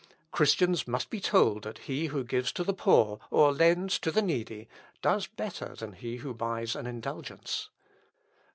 "Christians must be told that he who gives to the poor, or lends to the needy, does better than he who buys an indulgence: 44.